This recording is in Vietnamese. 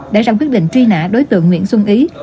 để ra quyết định truy nã đối tượng nguyễn xuân ý